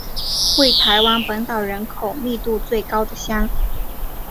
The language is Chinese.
为台湾本岛人口密度最高的乡。